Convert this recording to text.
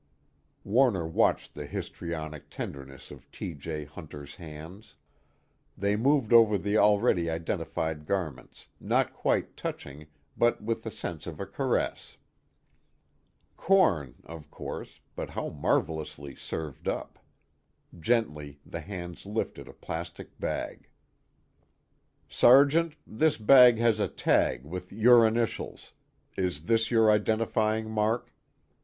Warner watched the histrionic tenderness of T. J. Hunter's hands. They moved over the already identified garments, not quite touching but with the sense of a caress. Corn, of course, but how marvelously served up! Gently the hands lifted a plastic bag. "Sergeant, this bag has a tag with your initials is this your identifying mark?"